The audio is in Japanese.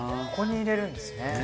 ここに入れるんですね。